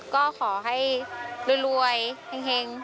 ครอบครัวค่ะก็ขอให้รวยเค็ง